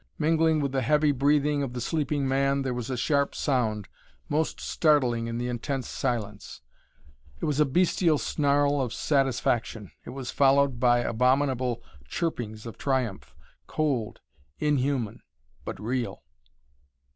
Mingling with the heavy breathing of the sleeping man there was a sharp sound, most startling in the intense silence. It was a bestial snarl of satisfaction. It was followed by abominable chirpings of triumph, cold, inhuman, but real.